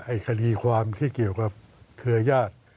คดีความที่เกี่ยวกับเครือญาติ